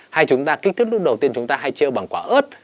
hay chúng ta kích thích lúc đầu tiên chúng ta hay trêu bằng quả ớt